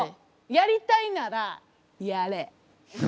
やりたいならやれ。